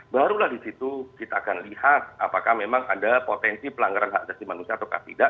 barulah di situ kita akan lihat apakah memang ada potensi pelanggaran hak asasi manusia atau tidak